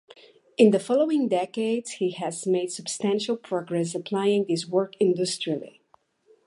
In the following decades he has made substantial progress applying this work industrially.